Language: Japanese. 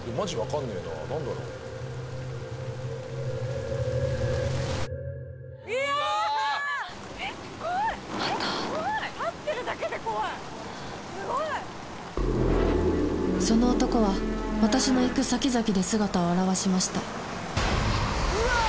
立ってるだけで怖いすごいその男は私の行く先々で姿を現しましたうわー！